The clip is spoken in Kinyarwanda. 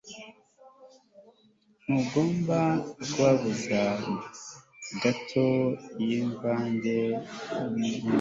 Ntugomba kubabuza gato yimvange yindimu